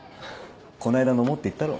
この間飲もうって言ったろ？